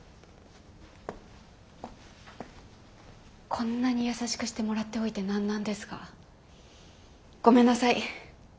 こんなに優しくしてもらっておいて何なんですがごめんなさい！